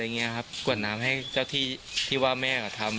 ปวดน้ำต่อมาให้ช่วยที่เผาแม่ก็ทำ